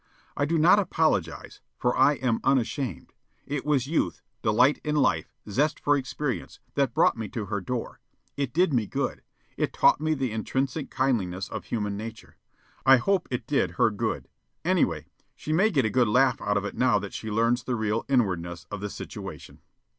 I do not apologize, for I am unashamed. It was youth, delight in life, zest for experience, that brought me to her door. It did me good. It taught me the intrinsic kindliness of human nature. I hope it did her good. Anyway, she may get a good laugh out of it now that she learns the real inwardness of the situation.